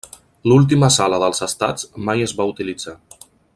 L'última sala dels Estats mai es va utilitzar.